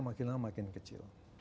makin lama makin kecil